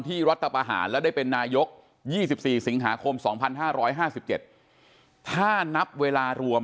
รัฐประหารและได้เป็นนายก๒๔สิงหาคม๒๕๕๗ถ้านับเวลารวม